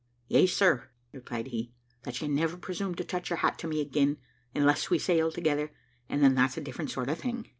"Yes, sir," replied he, "that you never presume to touch your hat to me again, unless we sail together, and then that's a different sort of thing."